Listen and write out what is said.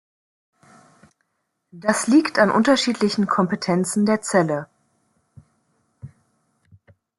Dies liegt an unterschiedlichen Kompetenzen der Zelle.